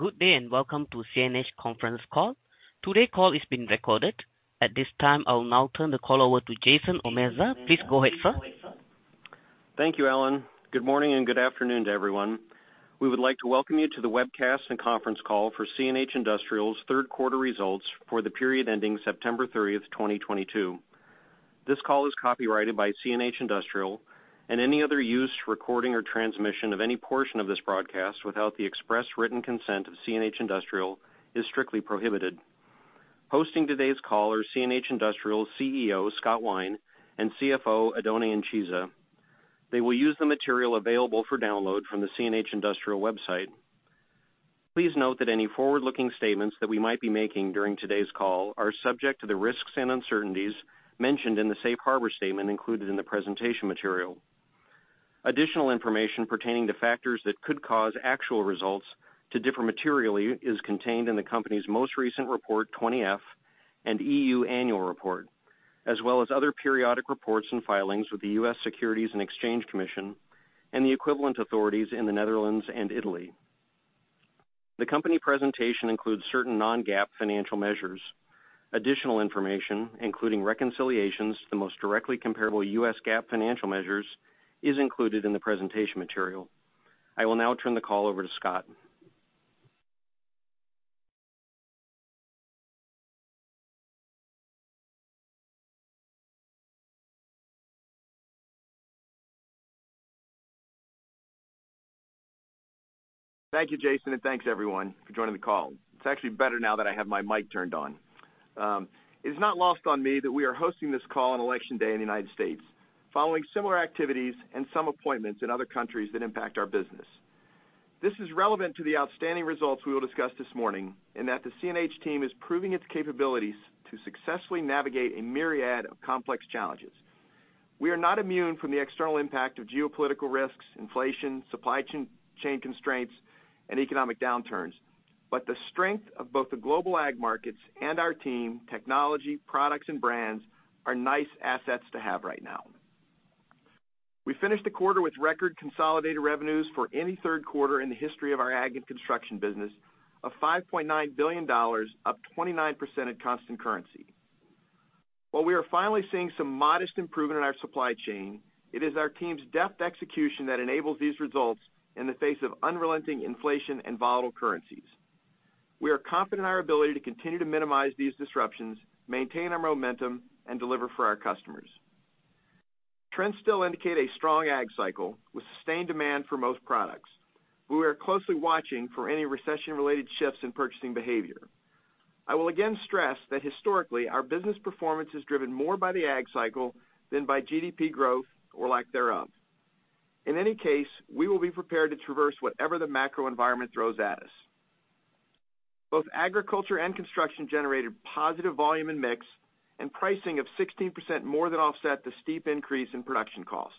Good day, and welcome to CNH conference call. Today's call is being recorded. At this time, I'll now turn the call over to Jason Omerza. Please go ahead, sir. Thank you, Alan. Good morning and good afternoon to everyone. We would like to welcome you to the webcast and conference call for CNH Industrial's third quarter results for the period ending September 30th, 2022. This call is copyrighted by CNH Industrial, and any other use, recording, or transmission of any portion of this broadcast without the express written consent of CNH Industrial is strictly prohibited. Hosting today's call are CNH Industrial CEO, Scott Wine, and CFO, Oddone Incisa. They will use the material available for download from the CNH Industrial website. Please note that any forward-looking statements that we might be making during today's call are subject to the risks and uncertainties mentioned in the safe harbor statement included in the presentation material. Additional information pertaining to factors that could cause actual results to differ materially is contained in the company's most recent Report 20-F and EU Annual Report, as well as other periodic reports and filings with the U.S. Securities and Exchange Commission and the equivalent authorities in the Netherlands and Italy. The company presentation includes certain non-GAAP financial measures. Additional information, including reconciliations to the most directly comparable US GAAP financial measures, is included in the presentation material. I will now turn the call over to Scott. Thank you, Jason, and thanks, everyone, for joining the call. It's actually better now that I have my mic turned on. It is not lost on me that we are hosting this call on election day in the United States, following similar activities and some appointments in other countries that impact our business. This is relevant to the outstanding results we will discuss this morning, in that the CNH team is proving its capabilities to successfully navigate a myriad of complex challenges. We are not immune from the external impact of geopolitical risks, inflation, supply chain constraints, and economic downturns. The strength of both the global Ag markets and our team, technology, products, and brands are nice assets to have right now. We finished the quarter with record consolidated revenues for any third quarter in the history of our ag and construction business of $5.9 billion, up 29% in constant currency. While we are finally seeing some modest improvement in our supply chain, it is our team's deft execution that enables these results in the face of unrelenting inflation and volatile currencies. We are confident in our ability to continue to minimize these disruptions, maintain our momentum, and deliver for our customers. Trends still indicate a strong ag cycle with sustained demand for most products. We are closely watching for any recession-related shifts in purchasing behavior. I will again stress that historically, our business performance is driven more by the ag cycle than by GDP growth or lack thereof. In any case, we will be prepared to traverse whatever the macro environment throws at us. Both agriculture and construction generated positive volume and mix, and pricing of 16% more than offset the steep increase in production cost.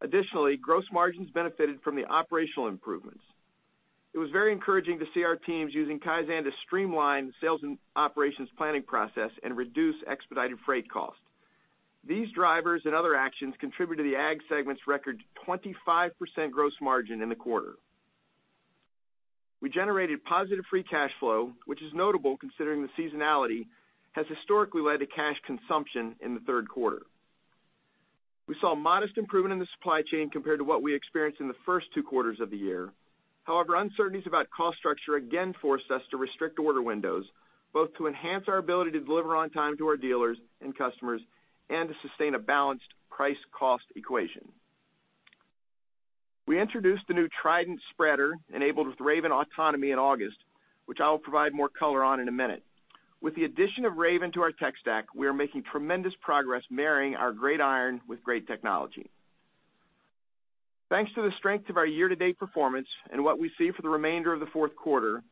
Additionally, gross margins benefited from the operational improvements. It was very encouraging to see our teams using Kaizen to streamline the sales and operations planning process and reduce expedited freight cost. These drivers and other actions contribute to the ag segment's record 25% gross margin in the quarter. We generated positive free cash flow, which is notable considering that seasonality has historically led to cash consumption in the third quarter. We saw modest improvement in the supply chain compared to what we experienced in the first two quarters of the year. However, uncertainties about cost structure again forced us to restrict order windows, both to enhance our ability to deliver on time to our dealers and customers and to sustain a balanced price-cost equation. We introduced the new Trident spreader enabled with Raven Autonomy in August, which I will provide more color on in a minute. With the addition of Raven to our tech stack, we are making tremendous progress marrying our great iron with great technology. Thanks to the strength of our year-to-date performance and what we see for the remainder of the fourth quarter,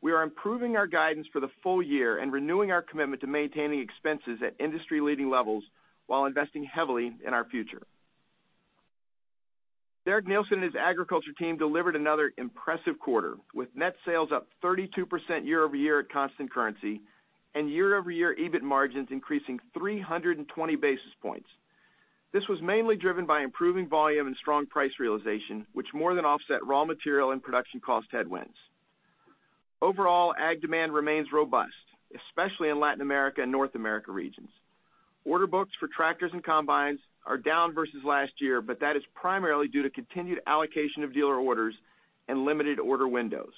we are improving our guidance for the full year and renewing our commitment to maintaining expenses at industry-leading levels while investing heavily in our future. Derek Neilson and his agriculture team delivered another impressive quarter, with net sales up 32% year-over-year at constant currency and year-over-year EBIT margins increasing 320 basis points. This was mainly driven by improving volume and strong price realization, which more than offset raw material and production cost headwinds. Overall, ag demand remains robust, especially in Latin America and North America regions. Order books for tractors and combines are down versus last year, but that is primarily due to continued allocation of dealer orders and limited order windows.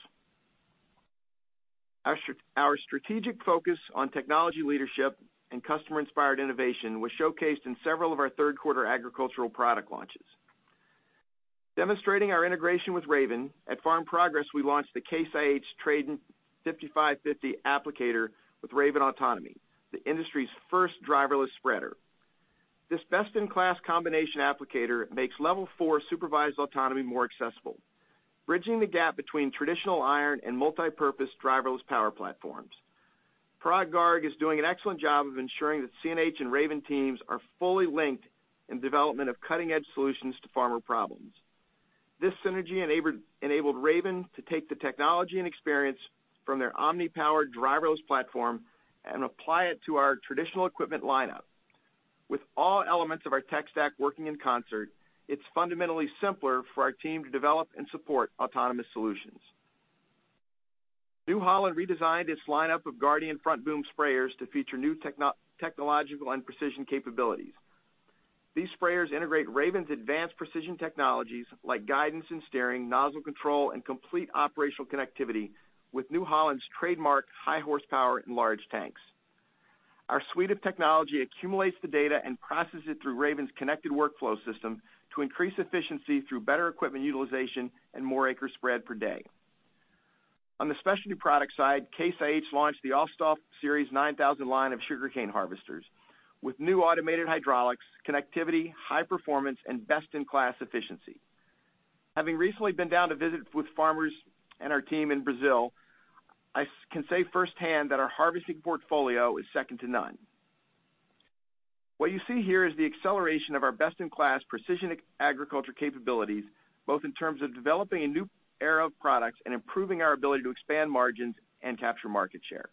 Our strategic focus on technology leadership and customer-inspired innovation was showcased in several of our third quarter agricultural product launches. Demonstrating our integration with Raven, at Farm Progress, we launched the Case IH Trident 5550 applicator with Raven Autonomy, the industry's first driverless spreader. This best-in-class combination applicator makes Level 4 supervised autonomy more accessible, bridging the gap between traditional iron and multipurpose driverless power platforms. Parag Garg is doing an excellent job of ensuring that CNH and Raven teams are fully linked in development of cutting-edge solutions to farmer problems. This synergy enabled Raven to take the technology and experience from their OMNiPOWER driverless platform and apply it to our traditional equipment lineup. With all elements of our tech stack working in concert, it's fundamentally simpler for our team to develop and support autonomous solutions. New Holland redesigned its lineup of Guardian front boom sprayers to feature new technological and precision capabilities. These sprayers integrate Raven's advanced precision technologies like guidance and steering, nozzle control, and complete operational connectivity with New Holland's trademark high horsepower and large tanks. Our suite of technology accumulates the data and processes it through Raven's connected workflow system to increase efficiency through better equipment utilization and more acres spread per day. On the specialty product side, Case IH launched the Austoft series 9000 line of sugarcane harvesters with new automated hydraulics, connectivity, high performance, and best-in-class efficiency. Having recently been down to visit with farmers and our team in Brazil, I can say firsthand that our harvesting portfolio is second to none. What you see here is the acceleration of our best-in-class precision agriculture capabilities, both in terms of developing a new era of products and improving our ability to expand margins and capture market share.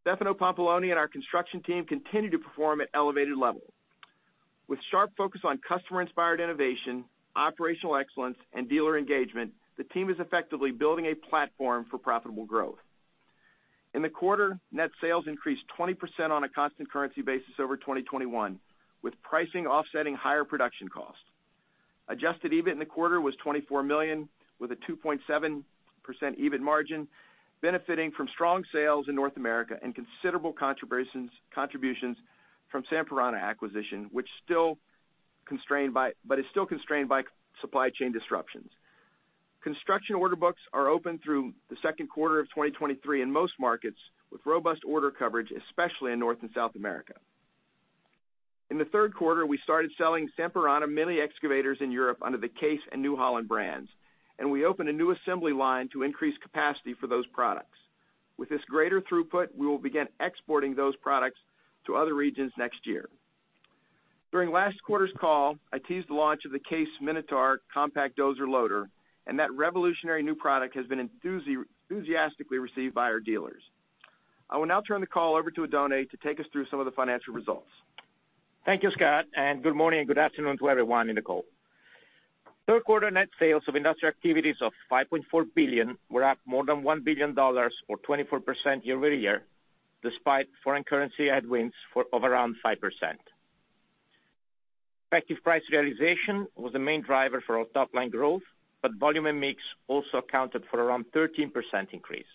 Stefano Pampalone and our construction team continue to perform at elevated levels. With sharp focus on customer-inspired innovation, operational excellence, and dealer engagement, the team is effectively building a platform for profitable growth. In the quarter, net sales increased 20% on a constant currency basis over 2021, with pricing offsetting higher production costs. Adjusted EBIT in the quarter was $24 million, with a 2.7% EBIT margin benefiting from strong sales in North America and considerable contributions from Sampierana acquisition, but is still constrained by supply chain disruptions. Construction order books are open through the second quarter of 2023 in most markets with robust order coverage, especially in North and South America. In the third quarter, we started selling Sampierana mini excavators in Europe under the Case and New Holland brands, and we opened a new assembly line to increase capacity for those products. With this greater throughput, we will begin exporting those products to other regions next year. During last quarter's call, I teased the launch of the Case Minotaur compact dozer loader, and that revolutionary new product has been enthusiastically received by our dealers. I will now turn the call over to Oddone to take us through some of the financial results. Thank you, Scott. Good morning and good afternoon to everyone in the call. Third quarter net sales of industrial activities of $5.4 billion were up more than $1 billion or 24% year-over-year, despite foreign currency headwinds of around 5%. Effective price realization was the main driver for our top-line growth, but volume and mix also accounted for around 13% increase.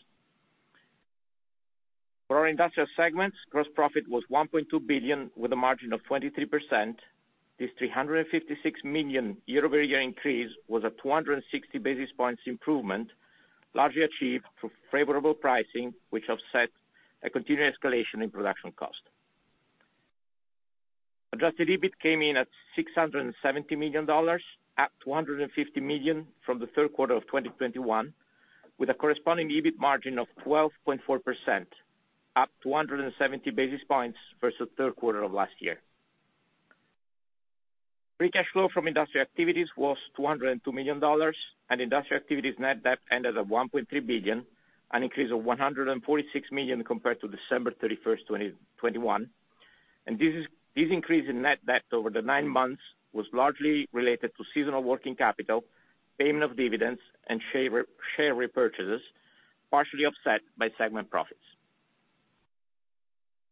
For our industrial segments, gross profit was $1.2 billion with a margin of 23%. This $356 million year-over-year increase was a 260 basis points improvement, largely achieved through favorable pricing, which offset a continued escalation in production cost. Adjusted EBIT came in at $670 million, up $250 million from the third quarter of 2021, with a corresponding EBIT margin of 12.4%, up 270 basis points versus the third quarter of last year. Free cash flow from industrial activities was $202 million, industrial activities net debt ended at $1.3 billion, an increase of $146 million compared to December 31, 2021. This increase in net debt over the nine months was largely related to seasonal working capital, payment of dividends, and share repurchases, partially offset by segment profits.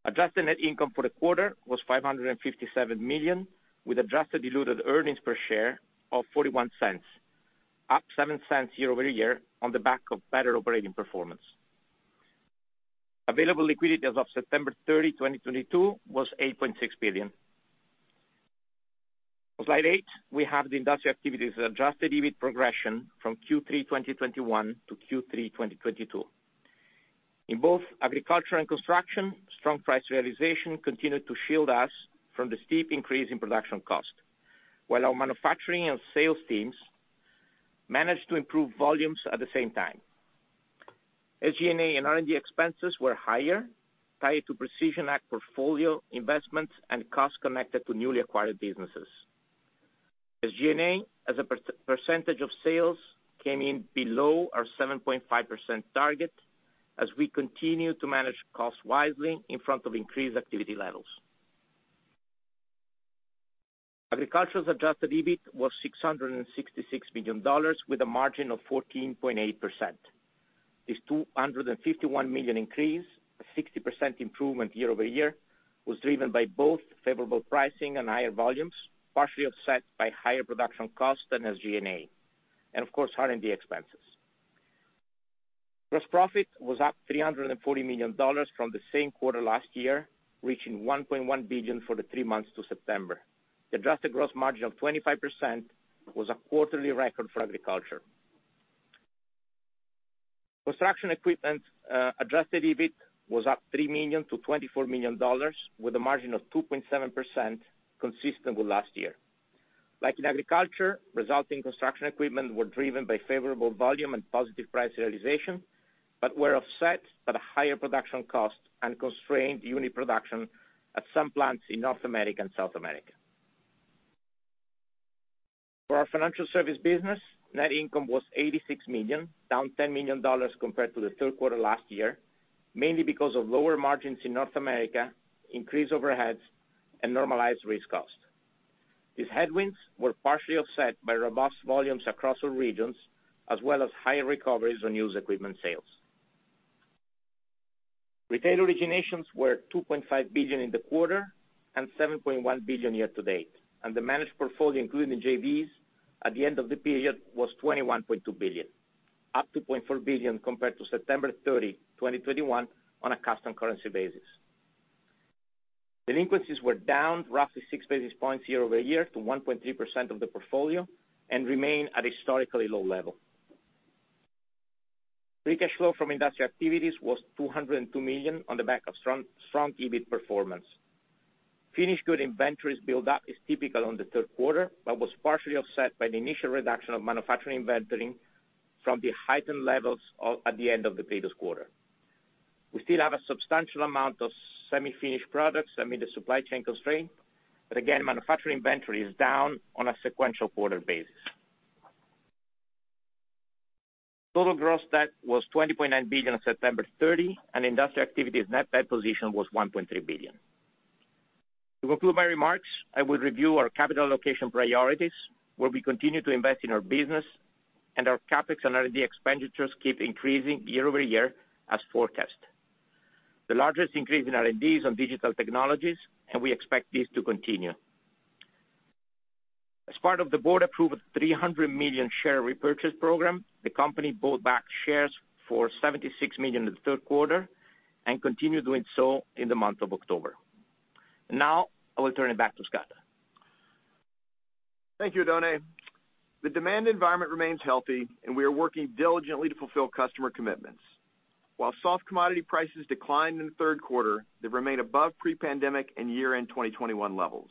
Adjusted net income for the quarter was $557 million, with adjusted diluted earnings per share of $0.41, up $0.07 year-over-year on the back of better operating performance. Available liquidity as of September 30, 2022, was $8.6 billion. On slide eight, we have the industrial activities adjusted EBIT progression from Q3 2021 to Q3 2022. In both Agriculture and Construction, strong price realization continued to shield us from the steep increase in production cost, while our manufacturing and sales teams managed to improve volumes at the same time. SG&A and R&D expenses were higher, tied to Precision Ag portfolio investments and costs connected to newly acquired businesses. SG&A, as a percentage of sales, came in below our 7.5% target as we continue to manage costs wisely in front of increased activity levels. Agriculture's adjusted EBIT was $666 million with a margin of 14.8%. This $251 million increase, a 60% improvement year-over-year, was driven by both favorable pricing and higher volumes, partially offset by higher production costs than SG&A, and of course, R&D expenses. Gross profit was up $340 million from the same quarter last year, reaching $1.1 billion for the three months to September. The adjusted gross margin of 25% was a quarterly record for Agriculture. Construction equipment adjusted EBIT was up $3 million to $24 million, with a margin of 2.7%, consistent with last year. Like in Agriculture, results in Construction equipment were driven by favorable volume and positive price realization, but were offset by the higher production cost and constrained unit production at some plants in North America and South America. For our financial service business, net income was $86 million, down $10 million compared to the third quarter last year, mainly because of lower margins in North America, increased overheads, and normalized risk cost. These headwinds were partially offset by robust volumes across all regions as well as high recoveries on used equipment sales. Retail originations were $2.5 billion in the quarter and $7.1 billion year-to-date. The managed portfolio, including the JVs at the end of the period, was $21.2 billion, up $2.4 billion compared to September 30, 2021, on a constant currency basis. Delinquencies were down roughly six basis points year-over-year to 1.3% of the portfolio and remain at a historically low level. Free cash flow from industrial activities was $202 million on the back of strong EBIT performance. Finished good inventories build-up is typical in the third quarter, but was partially offset by the initial reduction of manufacturing inventory from the heightened levels at the end of the previous quarter. We still have a substantial amount of semi-finished products amid the supply chain constraint, but again, manufacturing inventory is down on a sequential quarter basis. Total gross debt was $20.9 billion on September 30, and industrial activities net debt position was $1.3 billion. To conclude my remarks, I will review our capital allocation priorities, where we continue to invest in our business and our CapEx and R&D expenditures keep increasing year-over-year as forecast. The largest increase in R&D is on digital technologies, and we expect this to continue. As part of the board-approved $300 million share repurchase program, the company bought back shares for $76 million in the third quarter and continued doing so in the month of October. I will turn it back to Scott. Thank you, Oddone. The demand environment remains healthy, and we are working diligently to fulfill customer commitments. While soft commodity prices declined in the third quarter, they remain above pre-pandemic and year-end 2021 levels.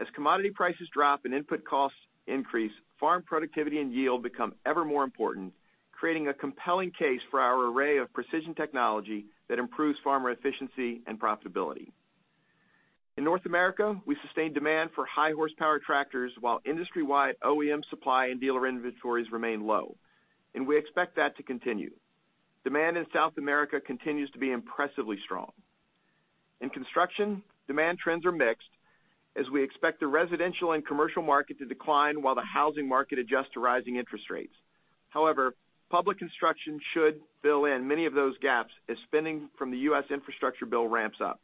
As commodity prices drop and input costs increase, farm productivity and yield become ever more important, creating a compelling case for our array of precision technology that improves farmer efficiency and profitability. In North America, we sustained demand for high horsepower tractors while industry-wide OEM supply and dealer inventories remain low. We expect that to continue. Demand in South America continues to be impressively strong. In construction, demand trends are mixed, as we expect the residential and commercial market to decline while the housing market adjusts to rising interest rates. However, public construction should fill in many of those gaps as spending from the U.S. infrastructure bill ramps up.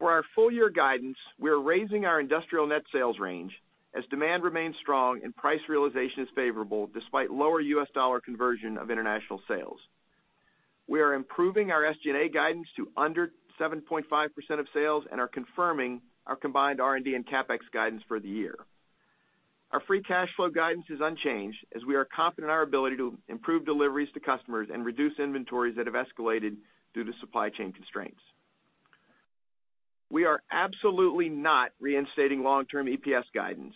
For our full-year guidance, we are raising our industrial net sales range as demand remains strong and price realization is favorable despite lower U.S. dollar conversion of international sales. We are improving our SG&A guidance to under 7.5% of sales and are confirming our combined R&D and CapEx guidance for the year. Our free cash flow guidance is unchanged as we are confident in our ability to improve deliveries to customers and reduce inventories that have escalated due to supply chain constraints. We are absolutely not reinstating long-term EPS guidance,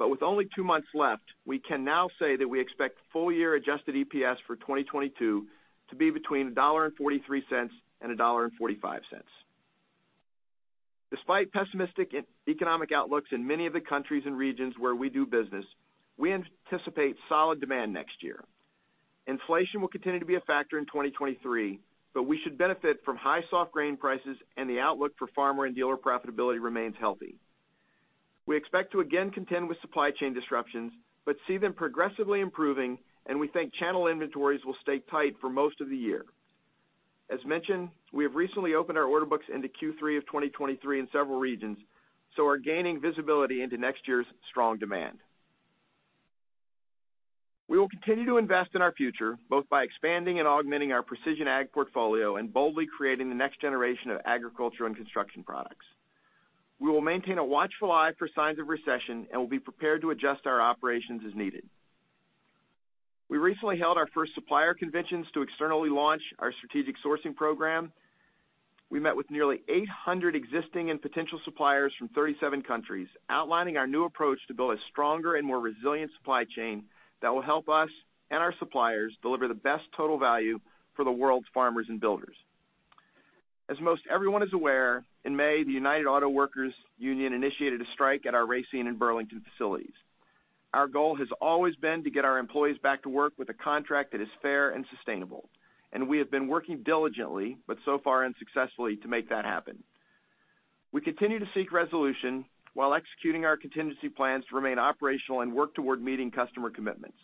but with only two months left, we can now say that we expect full-year adjusted EPS for 2022 to be between $1.43 and $1.45. Despite pessimistic economic outlooks in many of the countries and regions where we do business, we anticipate solid demand next year. Inflation will continue to be a factor in 2023, but we should benefit from high soft grain prices and the outlook for farmer and dealer profitability remains healthy. We expect to again contend with supply chain disruptions, but see them progressively improving, and we think channel inventories will stay tight for most of the year. As mentioned, we have recently opened our order books into Q3 of 2023 in several regions, so are gaining visibility into next year's strong demand. We will continue to invest in our future, both by expanding and augmenting our Precision Ag portfolio and boldly creating the next generation of agriculture and construction products. We will maintain a watchful eye for signs of recession and will be prepared to adjust our operations as needed. We recently held our first supplier conventions to externally launch our strategic sourcing program. We met with nearly 800 existing and potential suppliers from 37 countries, outlining our new approach to build a stronger and more resilient supply chain that will help us and our suppliers deliver the best total value for the world's farmers and builders. As most everyone is aware, in May, the United Auto Workers union initiated a strike at our Racine and Burlington facilities. Our goal has always been to get our employees back to work with a contract that is fair and sustainable, and we have been working diligently, but so far unsuccessfully, to make that happen. We continue to seek resolution while executing our contingency plans to remain operational and work toward meeting customer commitments.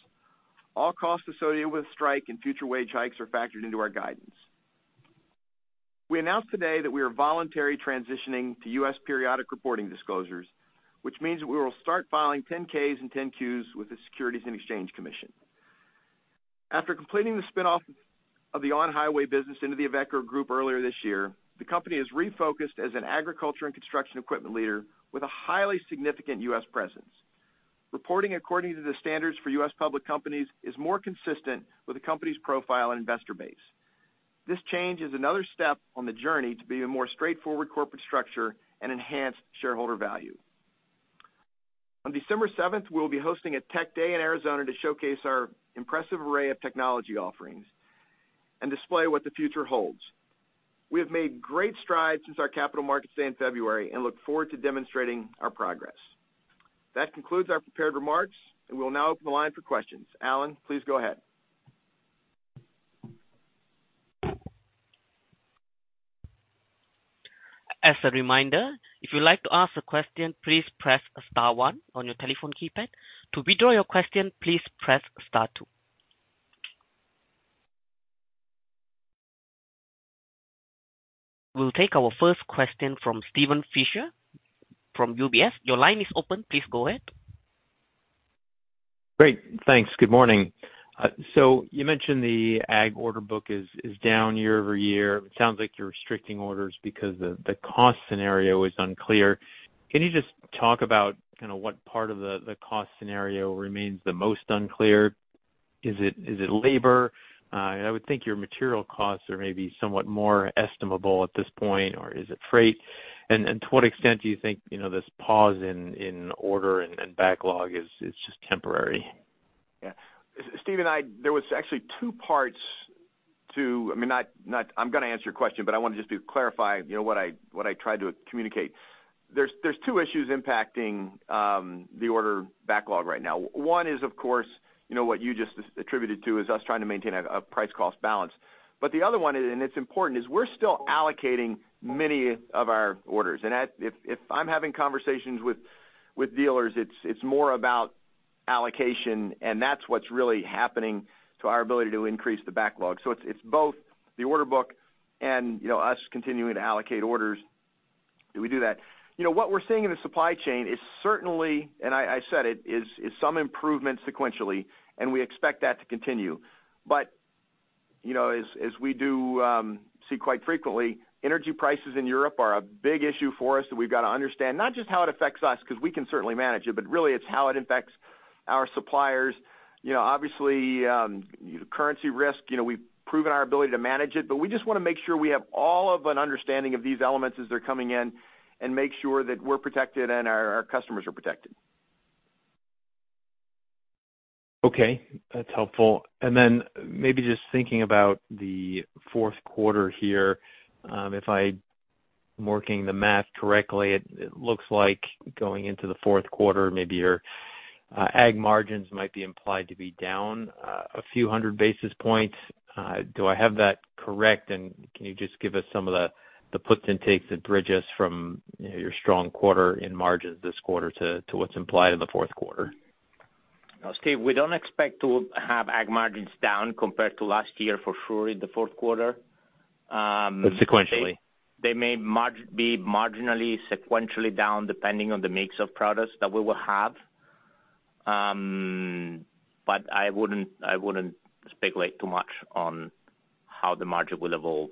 All costs associated with the strike and future wage hikes are factored into our guidance. We announced today that we are voluntarily transitioning to U.S. periodic reporting disclosures, which means that we will start filing 10-Ks and 10-Qs with the Securities and Exchange Commission. After completing the spin-off of the on-highway business into the Iveco Group earlier this year, the company has refocused as an agriculture and construction equipment leader with a highly significant U.S. presence. Reporting according to the standards for U.S. public companies is more consistent with the company's profile and investor base. This change is another step on the journey to be a more straightforward corporate structure and enhance shareholder value. On December 7th, we will be hosting a tech day in Arizona to showcase our impressive array of technology offerings and display what the future holds. We have made great strides since our capital markets day in February and look forward to demonstrating our progress. That concludes our prepared remarks, and we will now open the line for questions. Alan, please go ahead. As a reminder, if you would like to ask a question, please press star one on your telephone keypad. To withdraw your question, please press star two. We will take our first question from Steven Fisher from UBS. Your line is open. Please go ahead. Great. Thanks. Good morning. You mentioned the ag order book is down year-over-year. It sounds like you're restricting orders because the cost scenario is unclear. Can you just talk about kind of what part of the cost scenario remains the most unclear? Is it labor? I would think your material costs are maybe somewhat more estimable at this point, or is it freight? To what extent do you think this pause in order and backlog is just temporary? Yeah. Steven, there was actually two parts. I'm going to answer your question, but I want to just clarify what I tried to communicate. There's two issues impacting the order backlog right now. One is, of course, what you just attributed to, is us trying to maintain a price-cost balance. The other one, and it's important, is we're still allocating many of our orders. If I'm having conversations with dealers, it's more about allocation, and that's what's really happening to our ability to increase the backlog. It's both the order book and us continuing to allocate orders. Do we do that? What we're seeing in the supply chain is certainly, and I said it, is some improvement sequentially, and we expect that to continue. As we do see quite frequently, energy prices in Europe are a big issue for us that we've got to understand, not just how it affects us, because we can certainly manage it, but really it's how it affects our suppliers. Obviously, currency risk, we've proven our ability to manage it, but we just want to make sure we have all of an understanding of these elements as they're coming in and make sure that we're protected and our customers are protected. Okay. That's helpful. Then maybe just thinking about the fourth quarter here. If I'm working the math correctly, it looks like going into the fourth quarter, maybe your ag margins might be implied to be down a few hundred basis points. Do I have that correct? Can you just give us some of the puts and takes that bridge us from your strong quarter in margins this quarter to what's implied in the fourth quarter? Steve, we don't expect to have ag margins down compared to last year for sure in the fourth quarter. Sequentially. They may be marginally sequentially down, depending on the mix of products that we will have. I wouldn't speculate too much on how the margin will evolve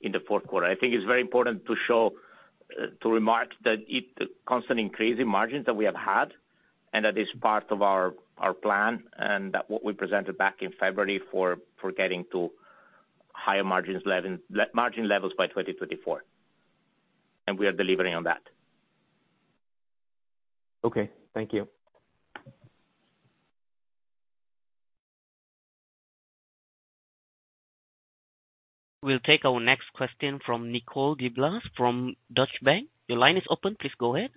in the fourth quarter. I think it's very important to remark the constant increase in margins that we have had, that is part of our plan and what we presented back in February for getting to higher margin levels by 2024. We are delivering on that. Okay. Thank you. We'll take our next question from Nicole DeBlase from Deutsche Bank. Your line is open. Please go ahead.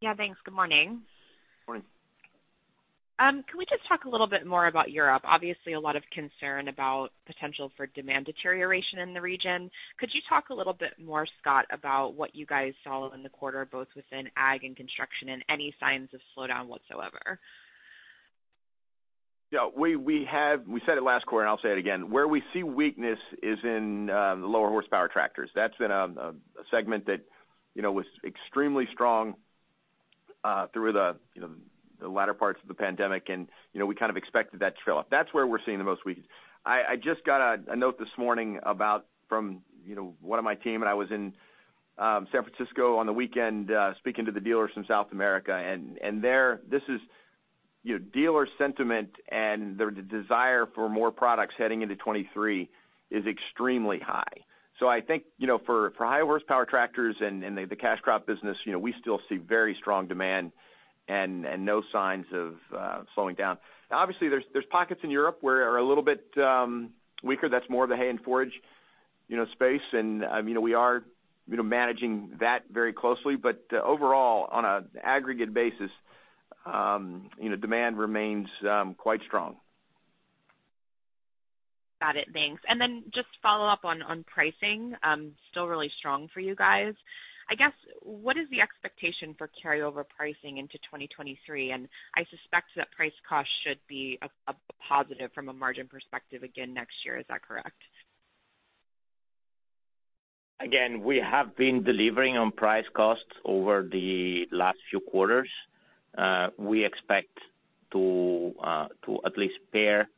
Yeah, thanks. Good morning. Morning. Can we just talk a little bit more about Europe? Obviously, a lot of concern about potential for demand deterioration in the region. Could you talk a little bit more, Scott, about what you guys saw in the quarter, both within ag and construction, and any signs of slowdown whatsoever? Yeah. We said it last quarter, and I'll say it again. Where we see weakness is in the lower horsepower tractors. That's been a segment that was extremely strong through the latter parts of the pandemic, and we kind of expected that to trail off. That's where we're seeing the most weakness. I just got a note this morning from one of my team, and I was in San Francisco on the weekend speaking to the dealers from South America. There, dealer sentiment and the desire for more products heading into 2023 is extremely high. I think, for higher horsepower tractors and the cash crop business, we still see very strong demand and no signs of slowing down. Obviously, there's pockets in Europe where are a little bit weaker. That's more of the hay and forage space. We are managing that very closely. Overall, on an aggregate basis, demand remains quite strong. Got it. Thanks. Then just follow up on pricing. Still really strong for you guys. I guess, what is the expectation for carryover pricing into 2023? I suspect that price cost should be a positive from a margin perspective again next year. Is that correct? Again, we have been delivering on price costs over the last few quarters. We expect to at least pair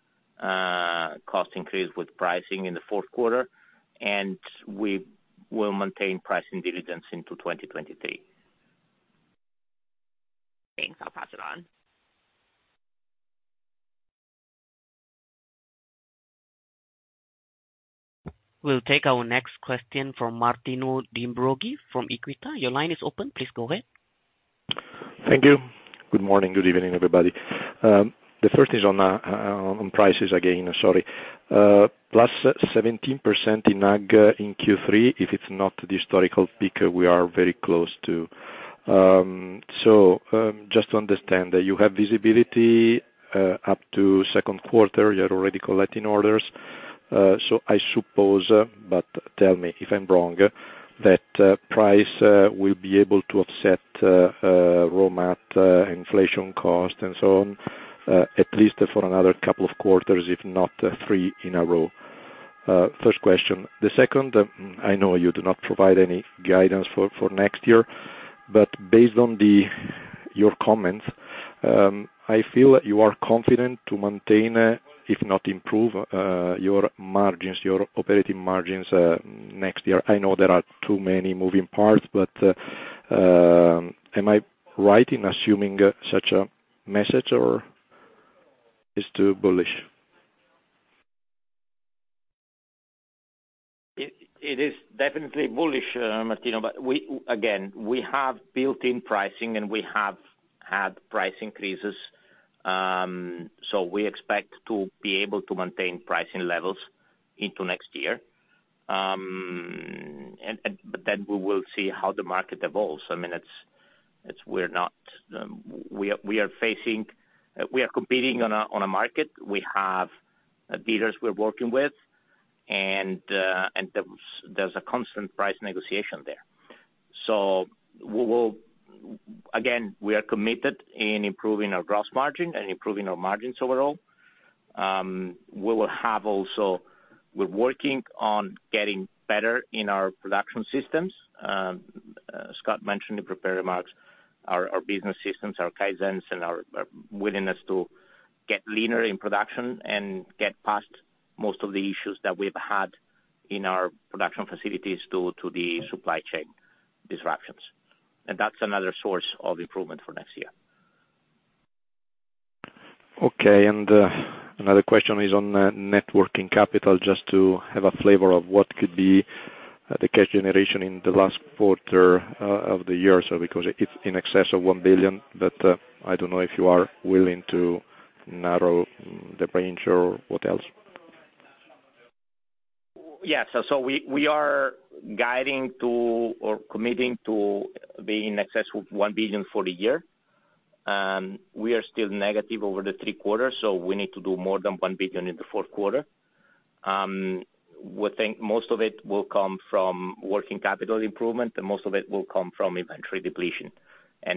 cost increase with pricing in the fourth quarter, and we will maintain pricing diligence into 2023. Thanks. I'll pass it on. We'll take our next question from Martino De Ambroggi from Equita. Your line is open. Please go ahead. Thank you. Good morning, good evening, everybody. The first is on prices again, sorry. Plus 17% in AG in Q3, if it's not the historical peak, we are very close to. Just to understand, you have visibility up to second quarter, you're already collecting orders. I suppose, but tell me if I'm wrong, that price will be able to offset raw mat, inflation cost, and so on, at least for another couple of quarters, if not three in a row. First question. The second, I know you do not provide any guidance for next year, based on your comments, I feel you are confident to maintain, if not improve, your margins, your operating margins next year. I know there are too many moving parts, am I right in assuming such a message or is too bullish? It is definitely bullish, Martino. Again, we have built in pricing and we have had price increases. We expect to be able to maintain pricing levels into next year. Then we will see how the market evolves. We are competing on a market. We have dealers we're working with, and there's a constant price negotiation there. Again, we are committed in improving our gross margin and improving our margins overall. We're working on getting better in our production systems. Scott mentioned in prepared remarks our business systems, our Kaizens and our willingness to get leaner in production and get past most of the issues that we've had in our production facilities due to the supply chain disruptions. That's another source of improvement for next year. Okay. Another question is on networking capital just to have a flavor of what could be the cash generation in the last quarter of the year. Because it's in excess of $1 billion, I don't know if you are willing to narrow the range or what else. Yeah. We are guiding to or committing to be in excess of $1 billion for the year. We are still negative over the three quarters, we need to do more than $1 billion in the fourth quarter. We think most of it will come from working capital improvement, and most of it will come from inventory depletion.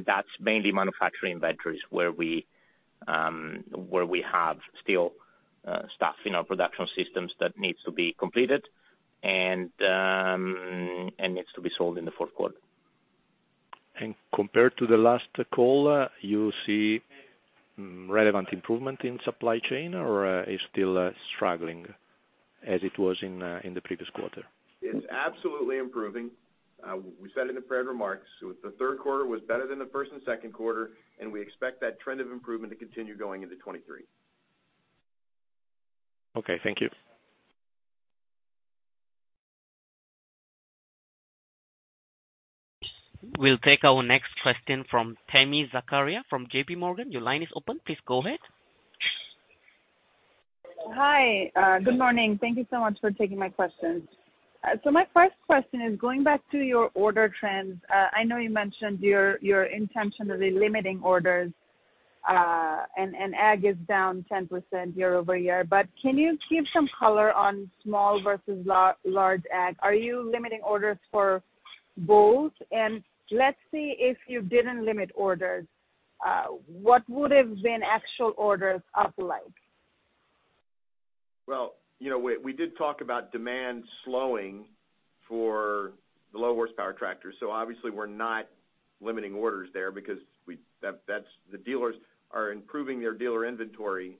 That's mainly manufacturing inventories where we have still stuff in our production systems that needs to be completed and needs to be sold in the fourth quarter. Compared to the last call, you see relevant improvement in supply chain or is still struggling as it was in the previous quarter? It's absolutely improving. We said it in the prepared remarks. The third quarter was better than the first and second quarter. We expect that trend of improvement to continue going into 2023. Okay. Thank you. We'll take our next question from Tami Zakaria from J.P. Morgan. Your line is open. Please go ahead. Hi. Good morning. Thank you so much for taking my questions. My first question is going back to your order trends. I know you mentioned your intention of limiting orders, and AG is down 10% year-over-year, can you give some color on small versus large AG? Are you limiting orders for both? Let's say if you didn't limit orders, what would have been actual orders up like? Well, we did talk about demand slowing for the low horsepower tractors. Obviously we're not limiting orders there because the dealers are improving their dealer inventory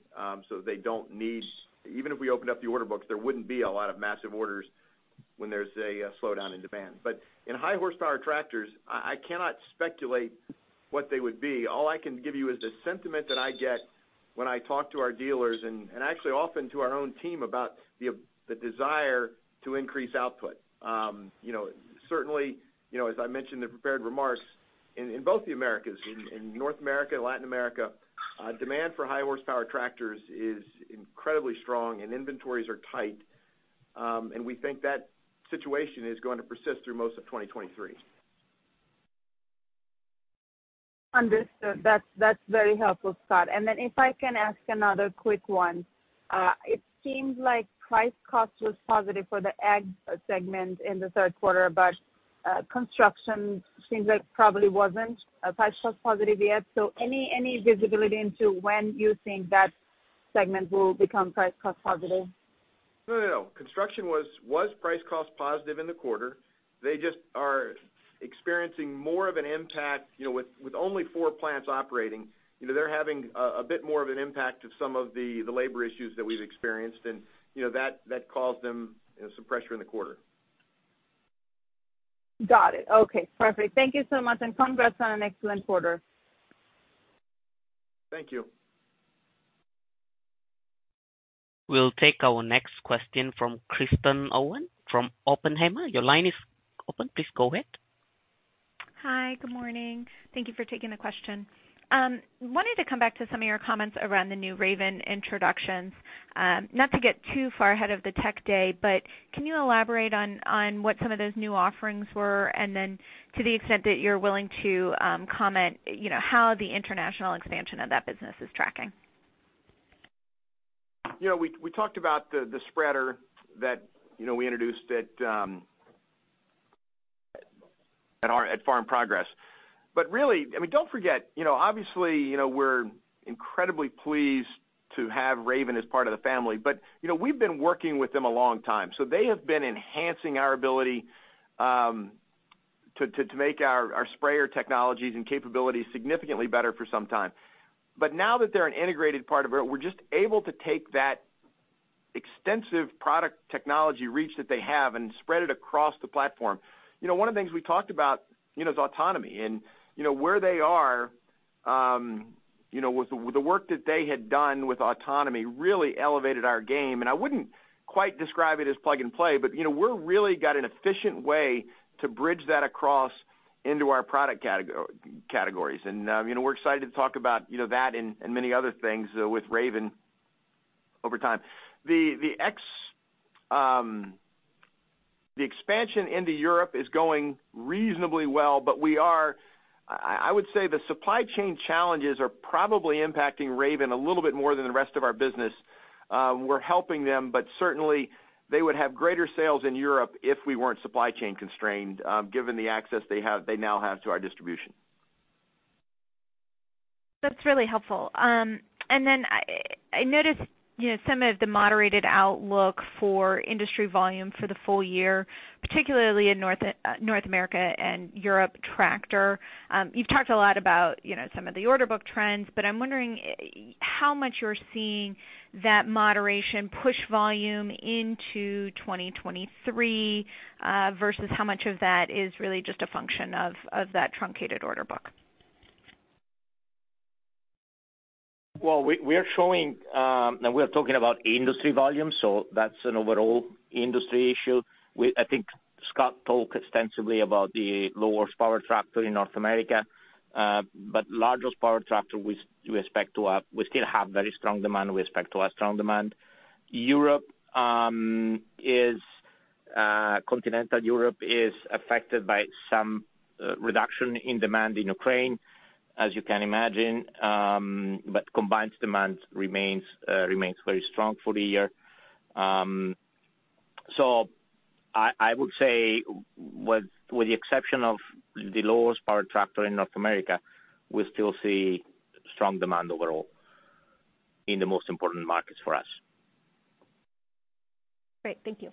so they don't need, even if we opened up the order books, there wouldn't be a lot of massive orders when there's a slowdown in demand. In high horsepower tractors, I cannot speculate what they would be. All I can give you is the sentiment that I get when I talk to our dealers and actually often to our own team about the desire to increase output. Certainly, as I mentioned in the prepared remarks in both the Americas, in North America and Latin America, demand for high horsepower tractors is incredibly strong and inventories are tight. We think that situation is going to persist through most of 2023. Understood. That's very helpful, Scott. If I can ask another quick one. It seems like price cost was positive for the AG segment in the third quarter, construction seems like probably wasn't price cost positive yet. Any visibility into when you think that segment will become price cost positive? No. Construction was price cost positive in the quarter. They just are experiencing more of an impact. With only four plants operating, they're having a bit more of an impact of some of the labor issues that we've experienced, that caused them some pressure in the quarter. Got it. Okay, perfect. Thank you so much, and congrats on an excellent quarter. Thank you. We'll take our next question from Kristen Owen from Oppenheimer. Your line is open. Please go ahead. Hi. Good morning. Thank you for taking the question. Wanted to come back to some of your comments around the new Raven introductions. Not to get too far ahead of the tech day, but can you elaborate on what some of those new offerings were? To the extent that you're willing to comment, how the international expansion of that business is tracking. We talked about the spreader that we introduced at Farm Progress. Really, don't forget, obviously, we're incredibly pleased to have Raven as part of the family, but we've been working with them a long time. They have been enhancing our ability to make our sprayer technologies and capabilities significantly better for some time. Now that they're an integrated part of it, we're just able to take that extensive product technology reach that they have and spread it across the platform. One of the things we talked about is autonomy, and where they are, with the work that they had done with autonomy, really elevated our game. I wouldn't quite describe it as plug-and-play, but we've really got an efficient way to bridge that across into our product categories. We're excited to talk about that and many other things with Raven over time. The expansion into Europe is going reasonably well, I would say the supply chain challenges are probably impacting Raven a little bit more than the rest of our business. We're helping them, certainly they would have greater sales in Europe if we weren't supply chain constrained, given the access they now have to our distribution. That's really helpful. I noticed some of the moderated outlook for industry volume for the full year, particularly in North America and Europe tractor. You've talked a lot about some of the order book trends, but I'm wondering how much you're seeing that moderation push volume into 2023, versus how much of that is really just a function of that truncated order book. We are talking about industry volume, that's an overall industry issue. I think Scott talked extensively about the lower horsepower tractor in North America. Larger horsepower tractor, we still have very strong demand. We expect to have strong demand. Continental Europe is affected by some reduction in demand in Ukraine, as you can imagine. Combined demand remains very strong for the year. I would say with the exception of the lowest power tractor in North America, we still see strong demand overall in the most important markets for us. Great. Thank you.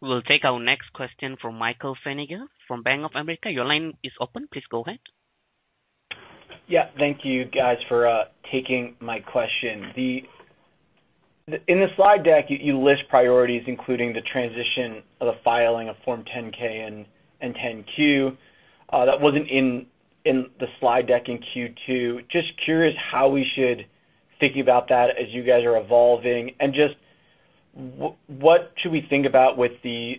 We'll take our next question from Michael Feniger from Bank of America. Your line is open. Please go ahead. Yeah. Thank you guys for taking my question. In the slide deck, you list priorities, including the transition of the filing of Form 10-K and 10-Q. That wasn't in the slide deck in Q2. Just curious how we should think about that as you guys are evolving, and just what should we think about with the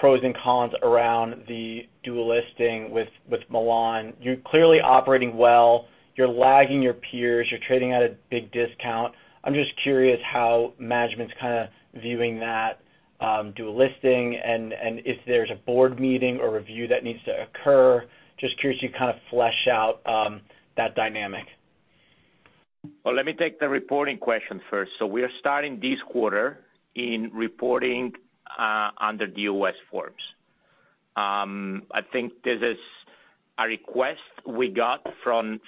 pros and cons around the dual listing with Milan? You're clearly operating well. You're lagging your peers. You're trading at a big discount. I'm just curious how management's kind of viewing that dual listing and if there's a board meeting or review that needs to occur. Just curious if you kind of flesh out that dynamic. Well, let me take the reporting question first. We are starting this quarter in reporting under the U.S. forms. I think this is a request we got from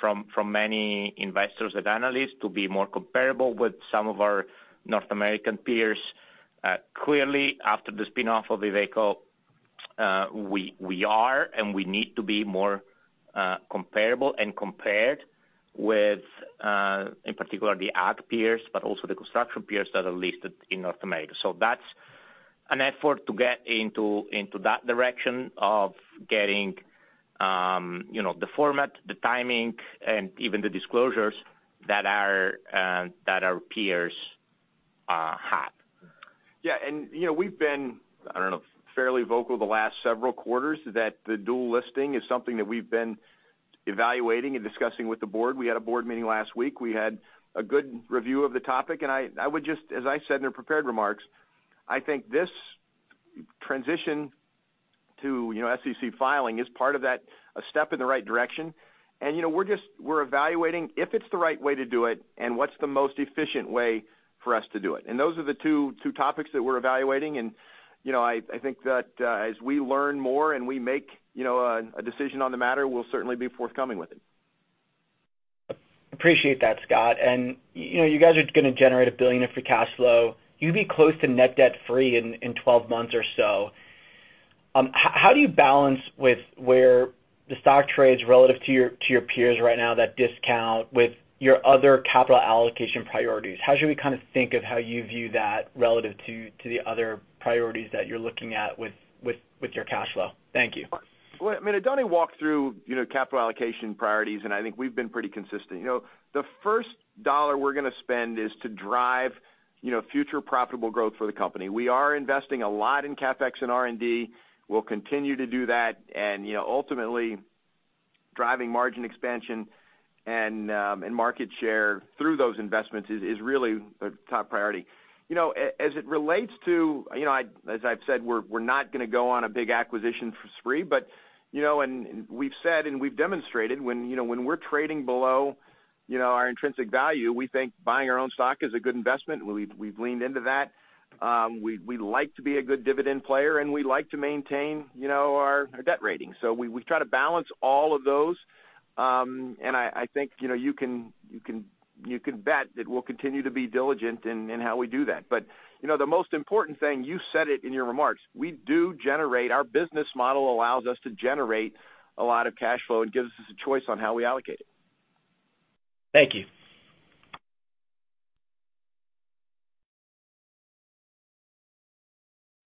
many investors and analysts to be more comparable with some of our North American peers. Clearly, after the spin-off of Iveco, we are, and we need to be more comparable and compared with, in particular the ag peers, but also the construction peers that are listed in North America. That's an effort to get into that direction of getting the format, the timing, and even the disclosures that our peers have. Yeah. We've been, I don't know, fairly vocal the last several quarters that the dual listing is something that we've been evaluating and discussing with the board. We had a board meeting last week. We had a good review of the topic, as I said in the prepared remarks, I think this transition to SEC filing is part of that, a step in the right direction. We're evaluating if it's the right way to do it and what's the most efficient way for us to do it. Those are the two topics that we're evaluating, I think that as we learn more and we make a decision on the matter, we'll certainly be forthcoming with it. Appreciate that, Scott. You guys are going to generate $1 billion of free cash flow. You'd be close to net debt free in 12 months or so. How do you balance with where the stock trades relative to your peers right now, that discount with your other capital allocation priorities? How should we think of how you view that relative to the other priorities that you're looking at with your cash flow? Thank you. Well, Oddone walked through capital allocation priorities, I think we've been pretty consistent. The first dollar we're going to spend is to drive future profitable growth for the company. We are investing a lot in CapEx and R&D. We'll continue to do that, ultimately driving margin expansion and market share through those investments is really a top priority. As it relates to, as I've said, we're not going to go on a big acquisition spree, we've said, we've demonstrated when we're trading below our intrinsic value, we think buying our own stock is a good investment. We've leaned into that. We like to be a good dividend player, we like to maintain our debt rating. We try to balance all of those. I think, you can bet that we'll continue to be diligent in how we do that. The most important thing, you said it in your remarks, our business model allows us to generate a lot of cash flow gives us a choice on how we allocate it. Thank you.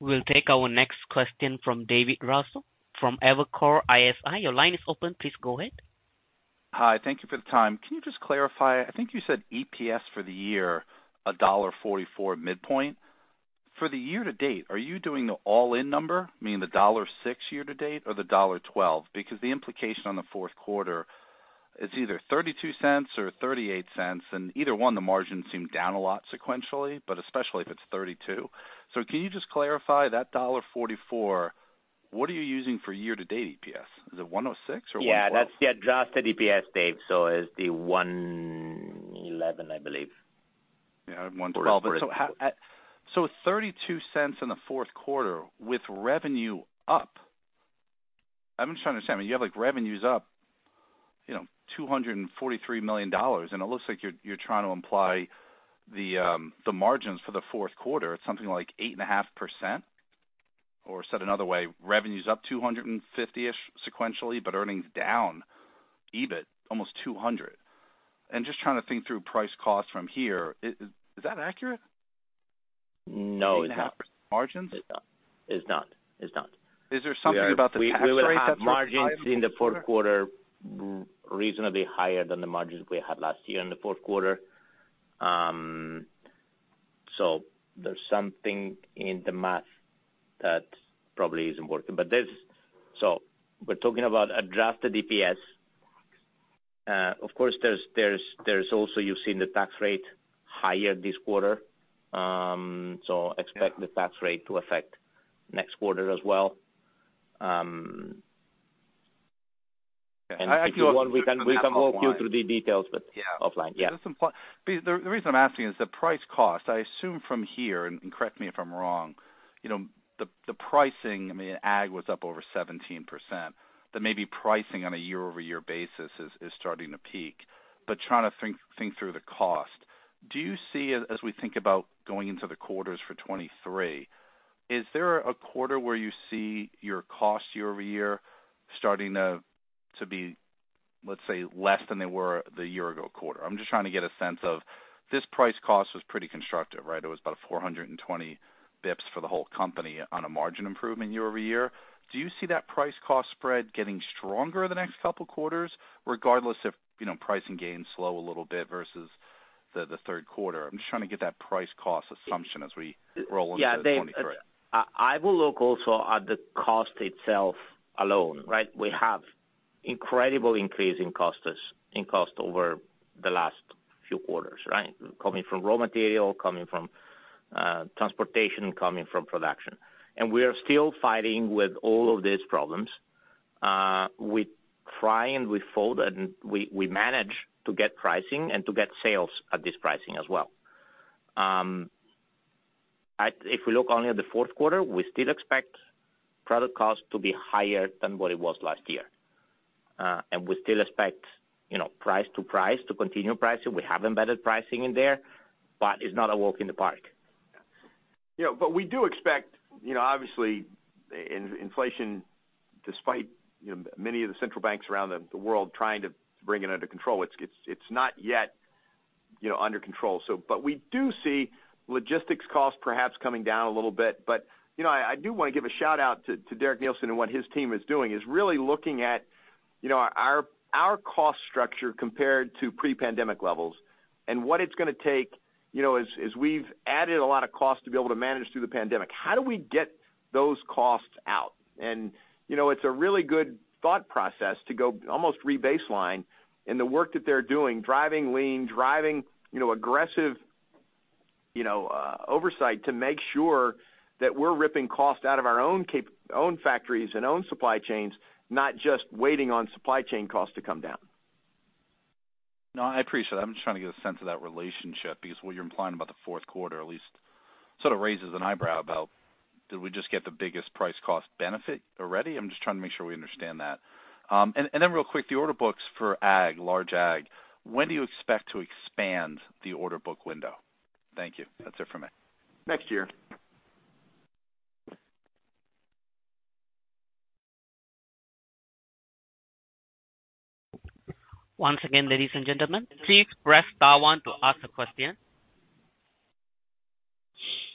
We'll take our next question from David Raso from Evercore ISI. Your line is open. Please go ahead. Hi. Thank you for the time. Can you just clarify, I think you said EPS for the year, $1.44 at midpoint. For the year to date, are you doing the all-in number, meaning the $1.06 year to date or the $1.12? Because the implication on the fourth quarter is either $0.32 or $0.38, and either one, the margins seem down a lot sequentially, but especially if it's $0.32. Can you just clarify that $1.44, what are you using for year-to-date EPS? Is it $1.06 or $1.12? Yeah, that's the adjusted EPS, Dave. It's the $1.11, I believe. I'm wondering. $0.32 in the fourth quarter with revenue up. I'm just trying to understand, you have like revenues up $243 million, and it looks like you're trying to imply the margins for the fourth quarter at something like 8.5%, or said another way, revenues up 250-ish sequentially, but earnings down, EBIT almost $200 million. Just trying to think through price cost from here. Is that accurate? No, it's not. 8.5% margins? It's not. Is there something about the tax rate that's like higher this quarter? We will have margins in the fourth quarter reasonably higher than the margins we had last year in the fourth quarter. There's something in the math that probably isn't working. We're talking about adjusted EPS. Of course, there's also, you've seen the tax rate higher this quarter. Expect the tax rate to affect next quarter as well. If you want. I actually. We can walk you through the details but offline. Yeah. Yeah. The reason I'm asking is the price-cost. I assume from here, and correct me if I'm wrong, the pricing, I mean, Ag was up over 17%, that maybe pricing on a year-over-year basis is starting to peak. Trying to think through the cost. Do you see as we think about going into the quarters for 2023, is there a quarter where you see your cost year-over-year starting to be, let's say, less than they were the year ago quarter? I'm just trying to get a sense of this price-cost was pretty constructive, right? It was about 420 basis points for the whole company on a margin improvement year-over-year. Do you see that price-cost spread getting stronger the next couple quarters, regardless if pricing gains slow a little bit versus the third quarter? I'm just trying to get that price-cost assumption as we roll into 2023. Dave. I will look also at the cost itself alone, right? We have incredible increase in cost over the last few quarters, right? Coming from raw material, coming from transportation, coming from production. We are still fighting with all of these problems. We try and we fold, and we manage to get pricing and to get sales at this pricing as well. If we look only at the fourth quarter, we still expect product cost to be higher than what it was last year. We still expect price to price to continue pricing. We have embedded pricing in there, but it's not a walk in the park. We do expect, obviously, inflation, despite many of the central banks around the world trying to bring it under control, it's not yet under control. We do see logistics costs perhaps coming down a little bit. I do want to give a shout-out to Derek Neilson and what his team is doing, is really looking at our cost structure compared to pre-pandemic levels and what it's going to take as we've added a lot of cost to be able to manage through the pandemic. How do we get those costs out? It's a really good thought process to go almost re-baseline in the work that they're doing, driving lean, driving aggressive oversight to make sure that we're ripping cost out of our own factories and own supply chains, not just waiting on supply chain costs to come down. I appreciate that. I'm just trying to get a sense of that relationship because what you're implying about the fourth quarter at least sort of raises an eyebrow about, did we just get the biggest price-cost benefit already? I'm just trying to make sure we understand that. Then real quick, the order books for Ag, large Ag, when do you expect to expand the order book window? Thank you. That's it from me. Next year. Once again, ladies and gentlemen, please press star one to ask a question.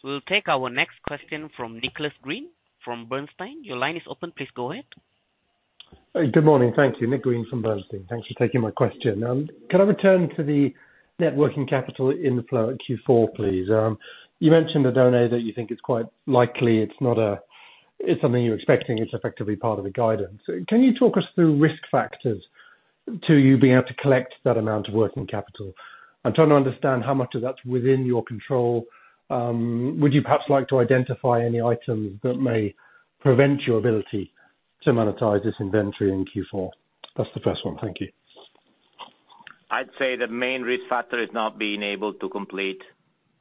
We'll take our next question from Nicholas Green from Bernstein. Your line is open. Please go ahead. Good morning. Thank you. Nick Green from Bernstein. Thanks for taking my question. Can I return to the net working capital in the flow at Q4, please? You mentioned the note that you think is quite likely it's something you're expecting, it's effectively part of the guidance. Can you talk us through risk factors to you being able to collect that amount of working capital? I'm trying to understand how much of that's within your control. Would you perhaps like to identify any items that may prevent your ability to monetize this inventory in Q4? That's the first one. Thank you. I'd say the main risk factor is not being able to complete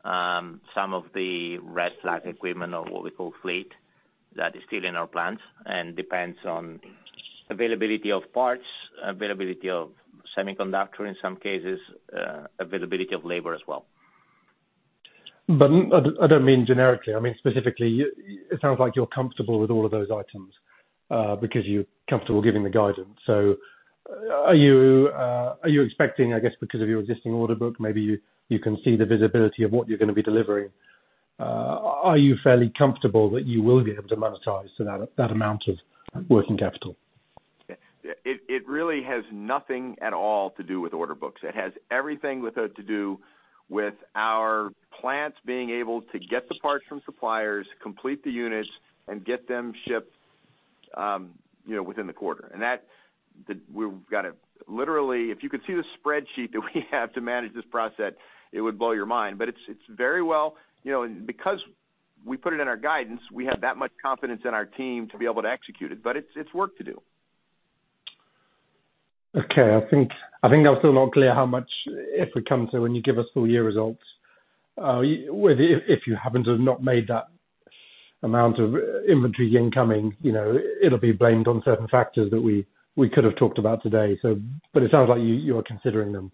some of the red-tagged equipment or what we call fleet that is still in our plants and depends on availability of parts, availability of semiconductor in some cases, availability of labor as well. I don't mean generically. I mean, specifically. It sounds like you're comfortable with all of those items, because you're comfortable giving the guidance. Are you expecting, I guess, because of your existing order book, maybe you can see the visibility of what you're going to be delivering. Are you fairly comfortable that you will be able to monetize that amount of working capital? It really has nothing at all to do with order books. It has everything to do with our plants being able to get the parts from suppliers, complete the units, and get them shipped within the quarter. Literally, if you could see the spreadsheet that we have to manage this process, it would blow your mind. Because we put it in our guidance, we have that much confidence in our team to be able to execute it. It's work to do. Okay. I think I'm still not clear how much, if we come to when you give us full year results, if you happen to have not made that amount of inventory incoming, it'll be blamed on certain factors that we could have talked about today. It sounds like you are considering them.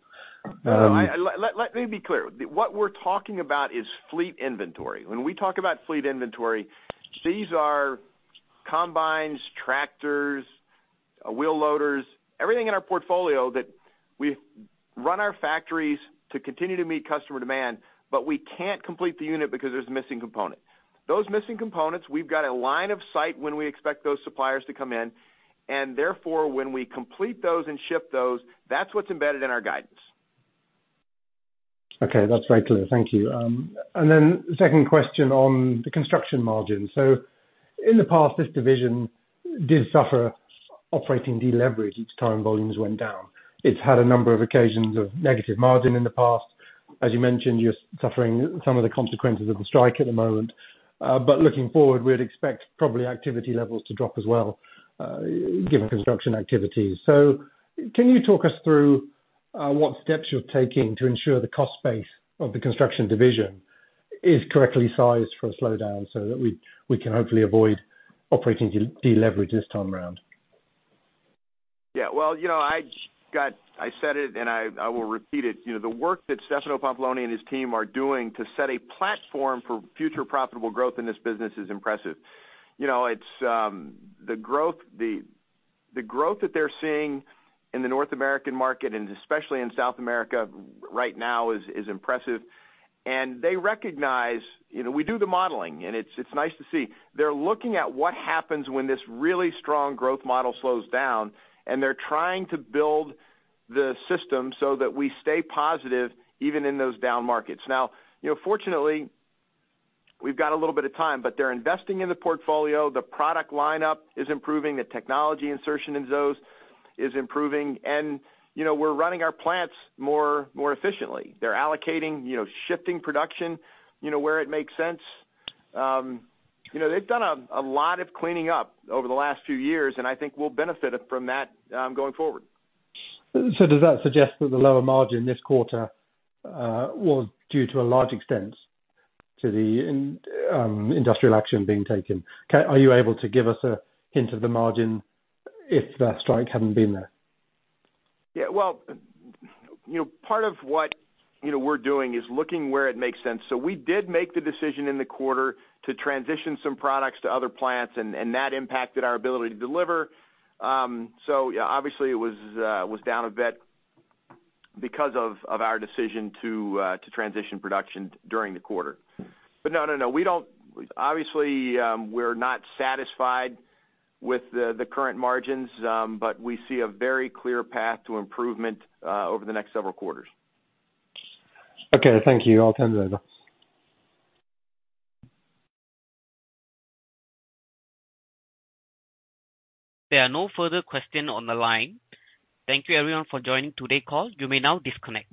Let me be clear. What we're talking about is fleet inventory. When we talk about fleet inventory, these are combines, tractors, wheel loaders, everything in our portfolio that we run our factories to continue to meet customer demand, but we can't complete the unit because there's a missing component. Those missing components, we've got a line of sight when we expect those suppliers to come in, and therefore, when we complete those and ship those, that's what's embedded in our guidance. The second question on the construction margin. In the past, this division did suffer operating deleverage each time volumes went down. It's had a number of occasions of negative margin in the past. As you mentioned, you're suffering some of the consequences of the strike at the moment. Looking forward, we'd expect probably activity levels to drop as well given construction activities. Can you talk us through what steps you're taking to ensure the cost base of the construction division is correctly sized for a slowdown so that we can hopefully avoid operating deleverage this time around? Yeah. Well, I said it and I will repeat it. The work that Stefano Pampalone and his team are doing to set a platform for future profitable growth in this business is impressive. The growth that they're seeing in the North American market, especially in South America right now is impressive. They recognize we do the modeling and it's nice to see. They're looking at what happens when this really strong growth model slows down, and they're trying to build the system so that we stay positive even in those down markets. Fortunately, we've got a little bit of time, but they're investing in the portfolio. The product lineup is improving. The technology insertion in those is improving. We're running our plants more efficiently. They're allocating, shifting production where it makes sense. They've done a lot of cleaning up over the last few years. I think we'll benefit from that going forward. Does that suggest that the lower margin this quarter was due to a large extent to the industrial action being taken? Are you able to give us a hint of the margin if the strike hadn't been there? Yeah. Well, part of what we're doing is looking where it makes sense. We did make the decision in the quarter to transition some products to other plants, and that impacted our ability to deliver. Obviously it was down a bit because of our decision to transition production during the quarter. No, obviously, we're not satisfied with the current margins, but we see a very clear path to improvement over the next several quarters. Okay. Thank you. I'll turn it over. There are no further questions on the line. Thank you everyone for joining today's call. You may now disconnect.